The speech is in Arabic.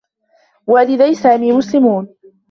والدي سامي مسلمون.